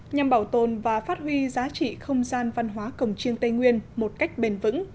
nhằm bảo tồn và phát huy giá trị không gian văn hóa cổng chiêng tây nguyên một cách bền vững